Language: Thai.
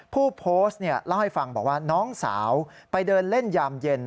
ผู้โพสต์เล่าให้ฟังบอกว่าน้องสาวไปเดินเล่นยามเย็น